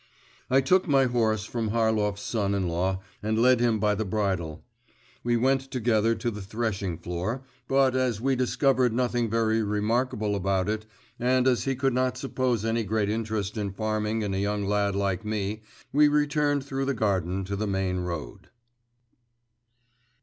I took my horse from Harlov's son in law and led him by the bridle. We went together to the threshing floor, but as we discovered nothing very remarkable about it, and as he could not suppose any great interest in farming in a young lad like me, we returned through the garden to the main road.